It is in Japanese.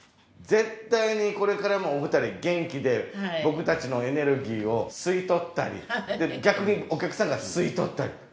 絶対にこれからもお二人元気で僕たちのエネルギーを吸い取ったり逆にお客さんが吸い取ったり。